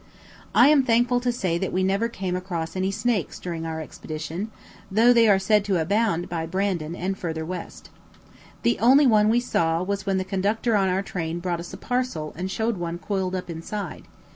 I am thankful to say that we never came across any snakes during our expedition, though they are said to abound by Brandon and further west. The only one we saw was when the conductor on our train brought us a parcel and showed one coiled up inside.